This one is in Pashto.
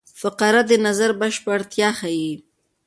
فقره د نظر بشپړتیا ښيي.